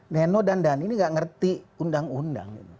neno dan dhani ini nggak ngerti undang undang